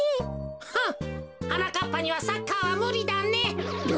はなかっぱにはサッカーはむりだね。